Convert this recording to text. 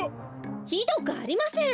ひどくありません！